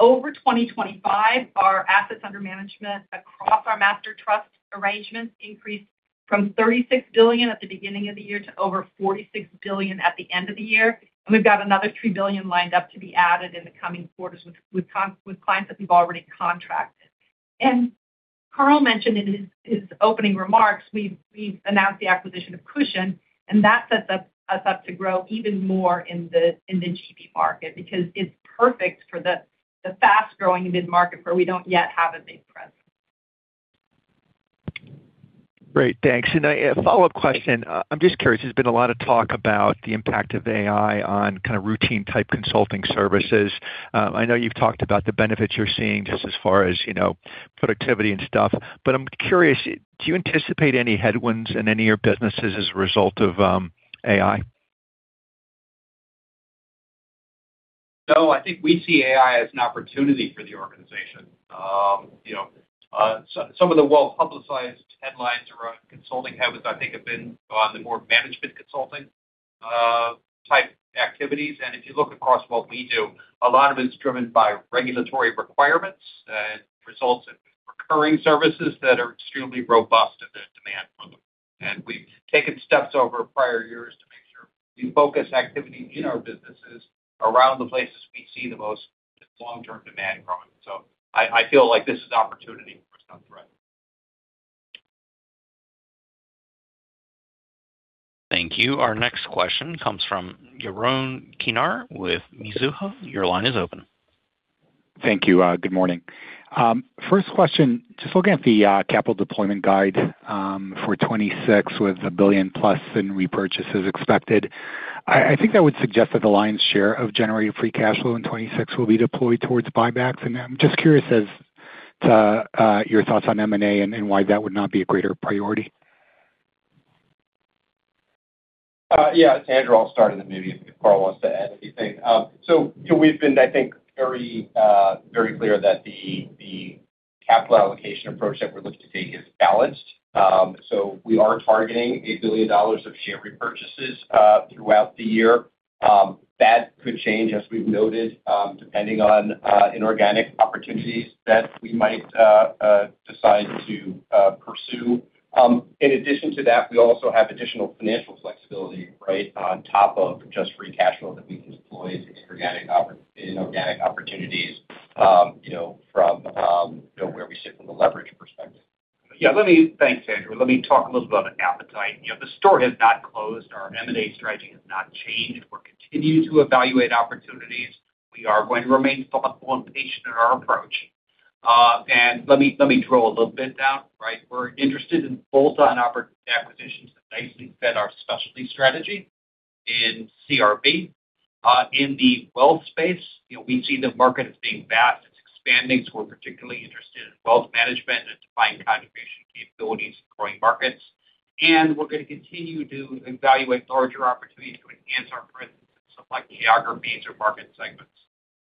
Over 2025, our assets under management across our master trust arrangements increased from 36 billion at the beginning of the year to over 46 billion at the end of the year. And we've got another 3 billion lined up to be added in the coming quarters with clients that we've already contracted. And Carl mentioned in his opening remarks, we've announced the acquisition of Cushon, and that sets us up to grow even more in the UK market, because it's perfect for the fast-growing mid-market, where we don't yet have a big presence. Great, thanks. And a follow-up question, I'm just curious, there's been a lot of talk about the impact of AI on kind of routine-type consulting services. I know you've talked about the benefits you're seeing just as far as, you know, productivity and stuff, but I'm curious, do you anticipate any headwinds in any of your businesses as a result of, AI? No, I think we see AI as an opportunity for the organization. You know, some of the well-publicized headlines around consulting headwinds, I think, have been on the more management consulting type activities. And if you look across what we do, a lot of it is driven by regulatory requirements, results in recurring services that are extremely robust in the demand for them. And we've taken steps over prior years to make sure we focus activity in our businesses around the places we see the most long-term demand growing. So I, I feel like this is opportunity for some threat. Thank you. Our next question comes from Yaron Kinar with Mizuho. Your line is open. Thank you. Good morning. First question, just looking at the capital deployment guide for 2026, with $1 billion+ in repurchases expected, I think that would suggest that the lion's share of generated free cash flow in 2026 will be deployed towards buybacks. And I'm just curious as to your thoughts on M&A and why that would not be a greater priority. Yeah, it's Andrew. I'll start, and then maybe if Carl wants to add anything. So we've been, I think, very, very clear that the, the capital allocation approach that we're looking to take is balanced. So we are targeting $1 billion of share repurchases, throughout the year. That could change, as we've noted, depending on, inorganic opportunities that we might, decide to, pursue. In addition to that, we also have additional financial flexibility, right, on top of just free cash flow that we can deploy into organic oppor-- inorganic opportunities, you know, from, where we sit from a leverage perspective. Yeah, let me. Thanks, Andrew. Let me talk a little bit about appetite. You know, the door has not closed. Our M&A strategy has not changed. We're continuing to evaluate opportunities. We are going to remain thoughtful and patient in our approach. And let me, let me drill a little bit down, right? We're interested in bolt-on acquisitions that nicely fit our specialty strategy in CRB, in the Wealth space. You know, we see the market as being vast. It's expanding, so we're particularly interested in wealth management and its defined contribution capabilities in growing markets. And we're gonna continue to evaluate larger opportunities to enhance our presence in select geographies or market segments.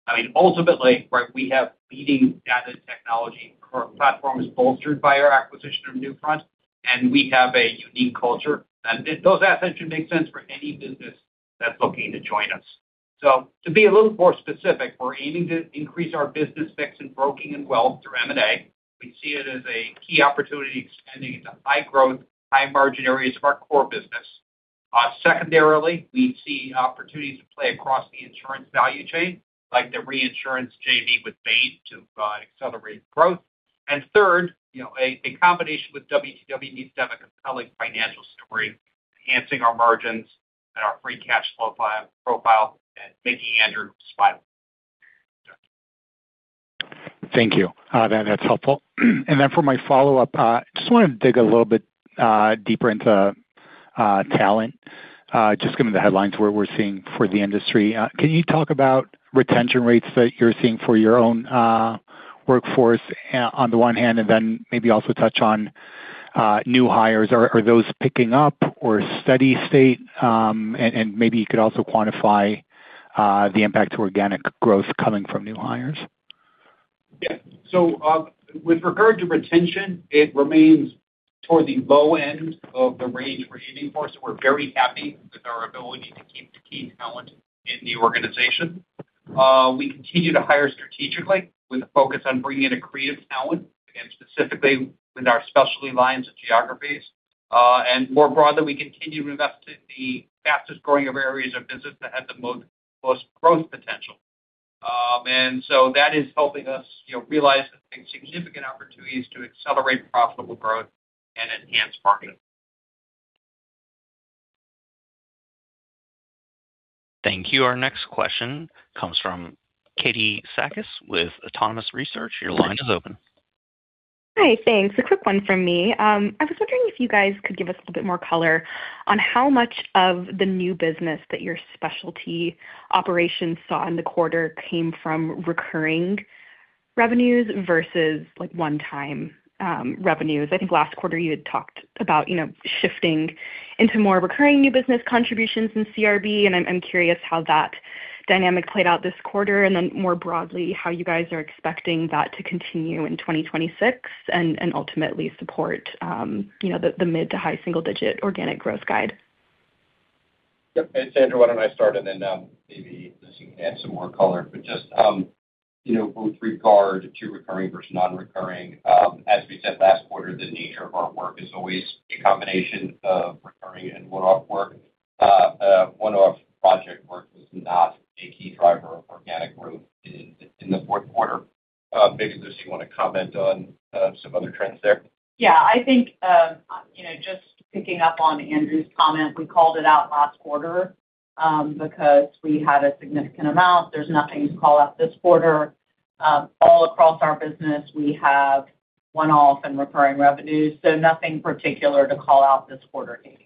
I mean, ultimately, right, we have leading data technology platforms bolstered by our acquisition of Newfront, and we have a unique culture. And those assets should make sense for any business that's looking to join us. So to be a little more specific, we're aiming to increase our business mix in broking and wealth through M&A. We see it as a key opportunity expanding into high growth, high margin areas of our core business. Secondarily, we see opportunities to play across the insurance value chain, like the reinsurance JV with Bain Capital to accelerate growth. And third, you know, a combination with WTW needs to have a compelling financial story, enhancing our margins and our free cash flow profile, and making Andrew smile. Thank you. That, that's helpful. And then for my follow-up, just wanted to dig a little bit deeper into talent. Just given the headlines where we're seeing for the industry, can you talk about retention rates that you're seeing for your own workforce, on the one hand, and then maybe also touch on new hires? Are those picking up or steady state? And maybe you could also quantify the impact to organic growth coming from new hires? Yeah. So, with regard to retention, it remains toward the low end of the range we're aiming for. So we're very happy with our ability to keep the key talent in the organization. We continue to hire strategically, with a focus on bringing in creative talent, again, specifically with our specialty lines of geographies. And more broadly, we continue to invest in the fastest growing areas of business that have the most growth potential. And so that is helping us, you know, realize the significant opportunities to accelerate profitable growth and enhance margin. Thank you. Our next question comes from Katie Sakys, with Autonomous Research. Your line is open. Hi, thanks. A quick one from me. I was wondering if you guys could give us a little bit more color on how much of the new business that your specialty operations saw in the quarter came from recurring revenues versus, like, one-time, revenues. I think last quarter you had talked about, you know, shifting into more recurring new business contributions in CRB, and I'm, I'm curious how that dynamic played out this quarter, and then more broadly, how you guys are expecting that to continue in 2026 and, and ultimately support, you know, the, the mid- to high-single-digit organic growth guide. Yep. Hey, (audio distortion) why don't I start? And then, maybe you can add some more color, but just, you know, with regard to recurring versus non-recurring, as we said last quarter, the nature of our work is always a combination of recurring and one-off work. One-off project work was not a key driver of organic growth in the fourth quarter. Maybe, Lucy, you want to comment on some other trends there? Yeah, I think, you know, just picking up on Andrew's comment, we called it out last quarter, because we had a significant amount. There's nothing to call out this quarter. All across our business, we have one-off and recurring revenues, so nothing particular to call out this quarter, Katie.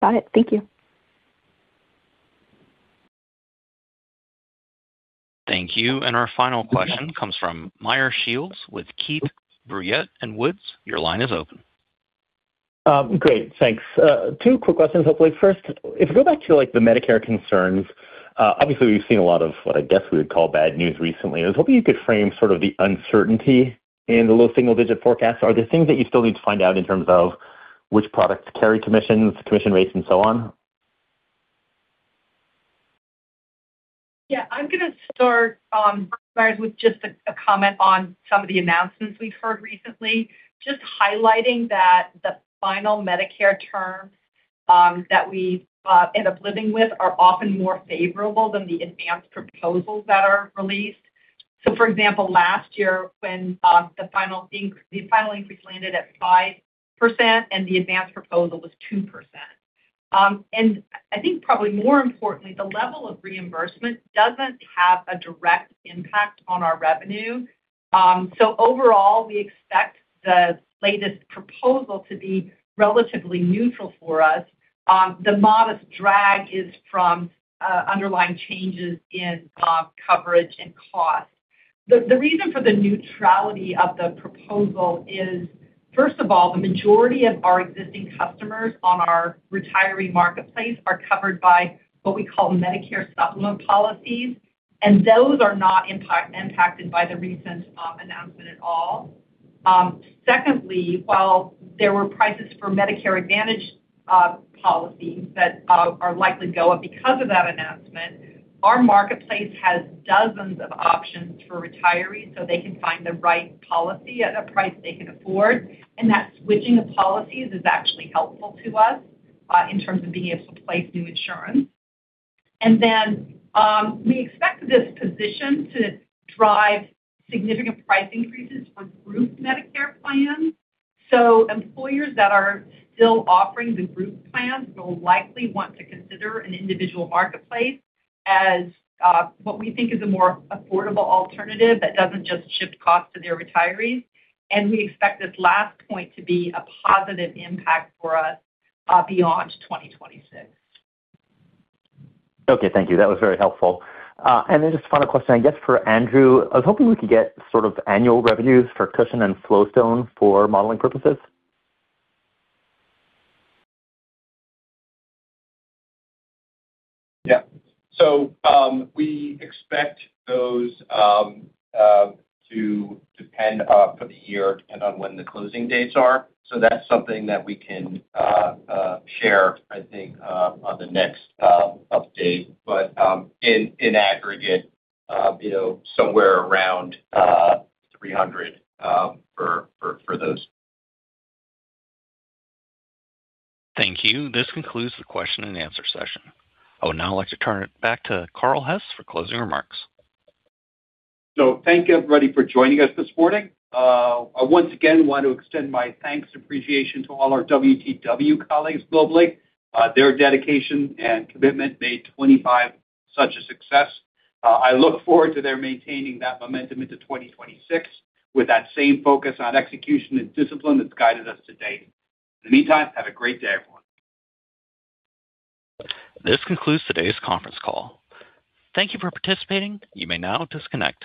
Got it. Thank you. Thank you. And our final question comes from Meyer Shields with Keefe, Bruyette & Woods. Your line is open. Great, thanks. Two quick questions, hopefully. First, if we go back to, like, the Medicare concerns, obviously we've seen a lot of what I guess we would call bad news recently. I was hoping you could frame sort of the uncertainty in the low single digit forecast. Are there things that you still need to find out in terms of which products carry commissions, commission rates, and so on? Yeah, I'm gonna start, Meyer, with just a comment on some of the announcements we've heard recently. Just highlighting that the final Medicare terms that we end up living with are often more favorable than the advanced proposals that are released. So for example, last year when the final increase landed at 5%, and the advanced proposal was 2%. And I think probably more importantly, the level of reimbursement doesn't have a direct impact on our revenue. So overall, we expect the latest proposal to be relatively neutral for us. The modest drag is from underlying changes in coverage and cost. The reason for the neutrality of the proposal is, first of all, the majority of our existing customers on our retiree marketplace are covered by what we call Medicare Supplement policies, and those are not impacted by the recent announcement at all. Secondly, while there were prices for Medicare Advantage policies that are likely to go up because of that announcement, our marketplace has dozens of options for retirees, so they can find the right policy at a price they can afford. And that switching of policies is actually helpful to us in terms of being able to place new insurance. And then, we expect this position to drive significant price increases for group Medicare plans. So employers that are still offering the group plans will likely want to consider an individual marketplace as what we think is a more affordable alternative that doesn't just shift costs to their retirees. And we expect this last point to be a positive impact for us beyond 2026. Okay, thank you. That was very helpful. And then just a final question, I guess, for Andrew. I was hoping we could get sort of annual revenues for Cushon and FlowStone for modeling purposes? Yeah. So we expect those to depend for the year on when the closing dates are. So that's something that we can share, I think, on the next update. But in aggregate, you know, somewhere around $300 for those. Thank you. This concludes the question and answer session. I would now like to turn it back to Carl Hess for closing remarks. So thank you, everybody, for joining us this morning. I once again want to extend my thanks and appreciation to all our WTW colleagues globally. Their dedication and commitment made 2025 such a success. I look forward to their maintaining that momentum into 2026, with that same focus on execution and discipline that's guided us to date. In the meantime, have a great day, everyone. This concludes today's conference call. Thank you for participating. You may now disconnect.